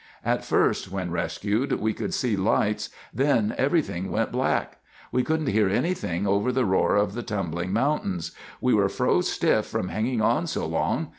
"At first, when rescued, we could see lights, then everything went black. We couldn't hear anything over the roar of the tumbling mountains. We were froze stiff from hanging on so long.